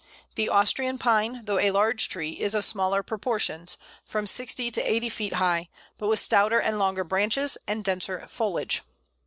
The Austrian Pine, though a large tree, is of smaller proportions from 60 to 80 feet high but with stouter and longer branches, and denser foliage.